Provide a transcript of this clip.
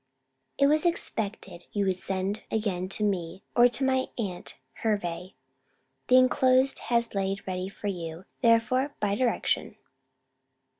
It was expected you would send again to me, or to my aunt Hervey. The enclosed has lain ready for you, therefore, by direction.